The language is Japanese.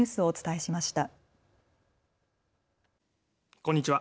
こんにちは。